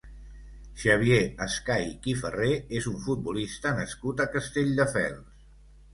Xavier Escaich i Ferrer és un futbolista nascut a Castelldefels.